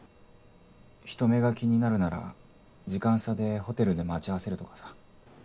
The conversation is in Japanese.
人目が気になるなら時間差でホテルで待ち合わせるとかさ。